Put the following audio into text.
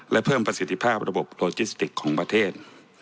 และเพิ่มประสิทธิภาพระบบโลจิสติกของประเทศ